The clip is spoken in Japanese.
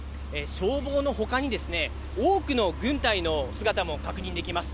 消防のほかに、多くの軍隊の姿も確認できます。